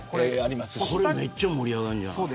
これめっちゃ盛り上がるんじゃないの。